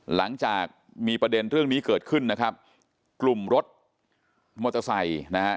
หลังจากมีประเด็นเรื่องนี้เกิดขึ้นนะครับกลุ่มรถมอเตอร์ไซค์นะฮะ